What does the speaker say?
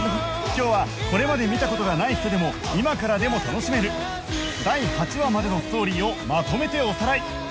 今日はこれまで見た事がない人でも今からでも楽しめる第８話までのストーリーをまとめておさらい！